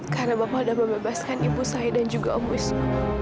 karena bapak sudah membebaskan ibu saya dan juga om busmu